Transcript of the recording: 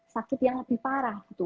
sakit yang lebih parah gitu